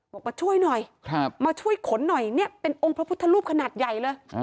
บอกมาช่วยหน่อยมาช่วยขนหน่อยเนี่ยเป็นองค์พระพุทธรูปขนาดใหญ่เลย